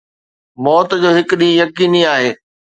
موت جو هڪ ڏينهن يقيني آهي